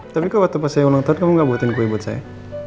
tapi kok waktu pas saya ulang tahun kamu gak buatin kue buat saya